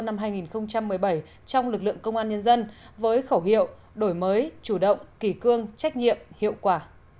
năm hai nghìn một mươi bảy trong lực lượng công an nhân dân với khẩu hiệu đổi mới chủ động kỳ cương trách nhiệm hiệu quả